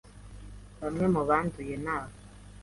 bamwe mu banduye naba